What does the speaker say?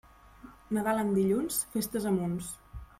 Nadal en dilluns, festes a munts.